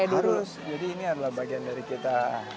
dirus jadi ini adalah bagian dari kita